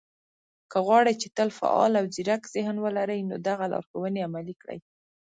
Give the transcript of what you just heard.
که غواړئ، چې تل فعال او ځيرک ذهن ولرئ، نو دغه لارښوونې عملي کړئ